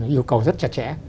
yêu cầu rất chặt chẽ